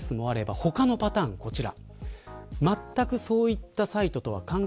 他のパターンは、こちら。